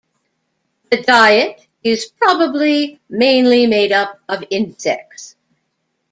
The diet is probably mainly made up of insects.